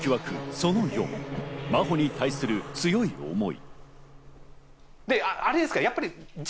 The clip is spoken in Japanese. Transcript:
その４、真帆に対する強い思い。